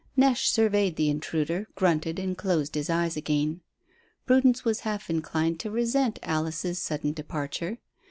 Neche surveyed the intruder, grunted and closed his eyes again. Prudence was half inclined to resent Alice's sudden departure.